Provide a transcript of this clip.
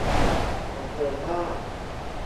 บันเทิงมาก